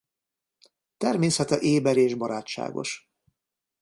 Természete éber és barátságos.